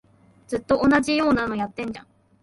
ずっと同じようなのやってんじゃん